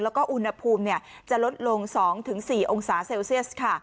แล้วก็อุณหภูมิจะลดลง๒๔องศาเซลเซียสค่ะ